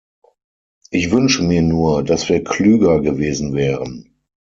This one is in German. Ich wünsche mir nur, dass wir klüger gewesen wären.